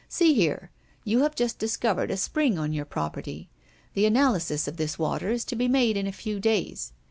See here. You have just discovered a spring on your property. The analysis of this water is to be made in a few days.